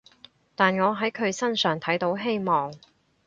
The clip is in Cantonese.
但我喺佢身上睇到希望